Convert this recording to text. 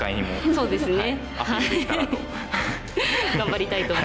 そうですね。